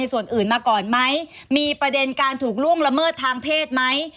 ส่วนอื่นมาก่อนไหมมีประเด็นการถูกล่วงละเมิดทางเพศไหม